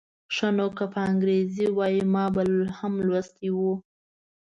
ښه نو که په انګریزي وای ما به هم لوستی و.